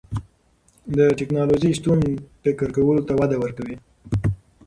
د تکنالوژۍ شتون فکر کولو ته وده ورکوي.